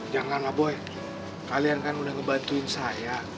janganlah boy kalian kan udah ngebantuin saya